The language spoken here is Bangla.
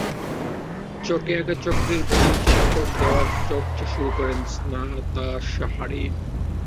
চকে আঁকা চক্রের ভেতরে চক্কর দেওয়ার চর্চা শুরু করেন স্নাতা শাহরিন।